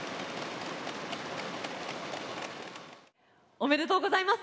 おめでとうございます！